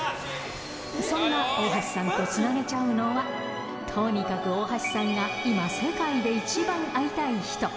そんな大橋さんとつなげちゃうのは、とにかく大橋さんが今、世界で一番会いたい人。